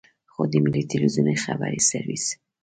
خو د ملي ټلویزیون خبري سرویس.